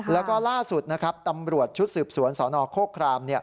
แล้วก็ล่าสุดนะครับตำรวจชุดสืบสวนสนโครคราม